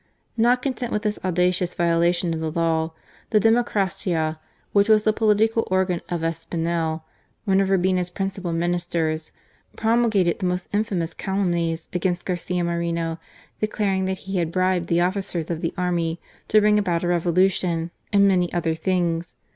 Not content with this audacious violation of the law, the Democracia, which was the political organ of Espinel, one of Urbina's principal Minis ters, promulgated the most infamous calumnies against Garcia Moreno, declaring that he had bribed 52 GARCIA MORENO. the officers of the army to bring about a revolution and many other things.